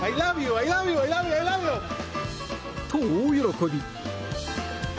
と、大喜び。